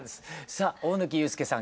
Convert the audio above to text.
さあ大貫勇輔さん